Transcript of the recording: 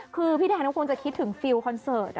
คือพี่แดนก็คงจะคิดถึงฟิลคอนเสิร์ต